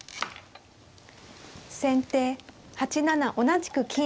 先手８七同じく金。